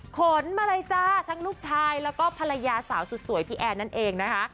ขนมาเลยจ้าทั้งลูกชายแล้วก็ภรรยาสาวสุดสวยพี่แอนนั่นเองนะคะ